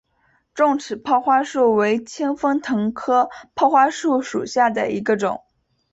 重齿泡花树为清风藤科泡花树属下的一个种。